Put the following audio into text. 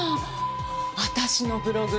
私のブログ